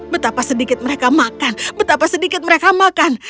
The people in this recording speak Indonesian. betapa sedikit mereka makan betapa sedikit mereka makan